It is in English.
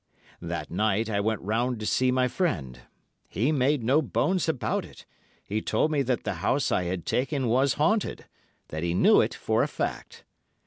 "That night I went round to see my friend. He made no bones about it; he told me that the house I had taken was haunted—that he knew it for a fact.